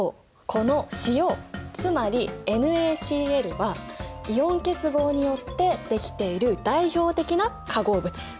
この塩つまりＮａＣｌはイオン結合によってできている代表的な化合物。